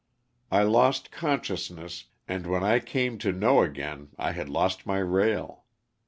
I lost consciousness and when I came to know again I had lost my rail.